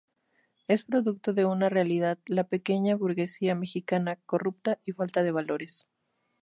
Es producto de una realidad: la pequeña burguesía mexicana, corrupta y falta de valores.